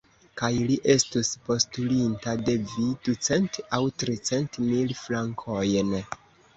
Kaj li estus postulinta de vi ducent aŭ tricent mil frankojn!